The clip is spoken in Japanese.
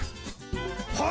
はい！